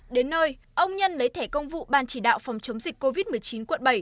đến nơi ông nhân lấy thẻ công vụ ban chỉ đạo phòng chống dịch covid một mươi chín quận bảy